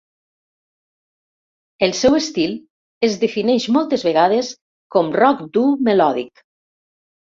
El seu estil es defineix moltes vegades com rock dur melòdic.